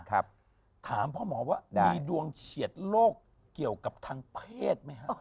ถามพ่อหมอว่ามีดวงเฉียดโรคเกี่ยวกับทางเพศไหมฮะ